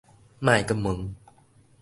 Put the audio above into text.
莫閣問